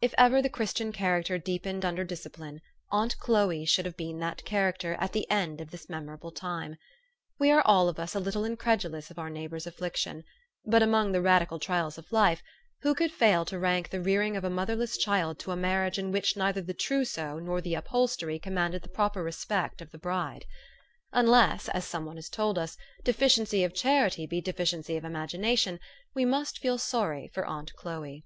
If ever the Christian character deepened under dis cipline, aunt Chloe's should have been that character at the end of this memorable time. We are all of us a little incredulous of our neighbor's affliction ; but among the radical trials of life, who could fail to rank the rearing of a motherless child to a marriage in which neither the trousseau nor the upholstery com manded the proper respect of the bride ? Unless, aa some one has told us, deficiency of charity be defi ciency of imagination, we must feel sorry for aunt Chloe.